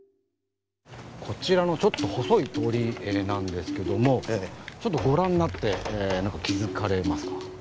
こちらのちょっと細い通りなんですけどもちょっとご覧になって何か気付かれますか？